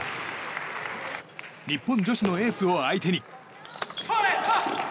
日本女子のエースを相手に。